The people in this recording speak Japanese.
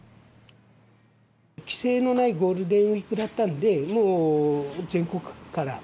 規制のないゴールデンウイークだったんでもう全国から。